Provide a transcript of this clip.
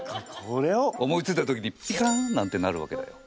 思いついた時にピカン！なんてなるわけだよ。